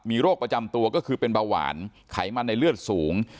มีโรคประจำตัวก็คือเป็นเบาหวานไขมันในเลือดสูง